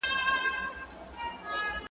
د زلمیو شپو مستي مي هري وني ته ورکړې ,